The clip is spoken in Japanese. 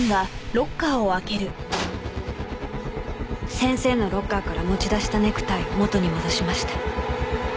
先生のロッカーから持ち出したネクタイを元に戻しました。